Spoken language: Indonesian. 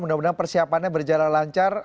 mudah mudahan persiapannya berjalan lancar